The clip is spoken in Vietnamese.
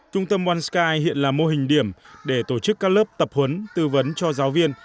trung tâm boarn sky hiện là mô hình điểm để tổ chức các lớp tập huấn tư vấn cho giáo viên